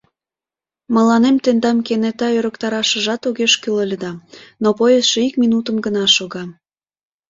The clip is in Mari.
Мыланем тендам кенета ӧрыктарашыжат огеш кӱл ыле да, но поездше ик минутым гына шога...